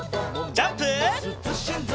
ジャンプ！